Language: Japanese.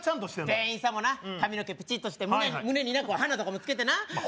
店員さんもな髪の毛ピチッとして胸にな花とかもつけてなまあ